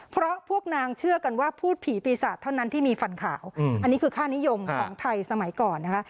เพราะพวกนางเชื่อกันว่าพูดผีปีศาจเท่านั้นที่มีฟันขาวอันนี้คือค่านิยมของไทยสมัยก่อนนะคะ